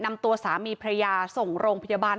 นำตัวสามีพระยาส่งโรงพยาบาล